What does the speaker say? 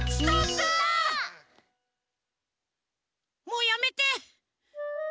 もうやめて！